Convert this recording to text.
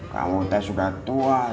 kamu ustadz sudah tua som